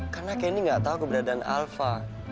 karena candy gak tahu keberadaan alva